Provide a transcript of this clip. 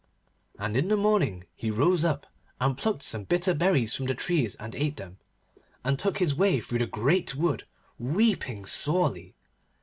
And in the morning he rose up, and plucked some bitter berries from the trees and ate them, and took his way through the great wood, weeping sorely.